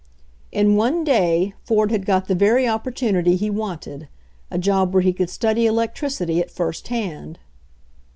In one day Ford had got the very opportunity he wanted — a job where he could study electricity at first hand.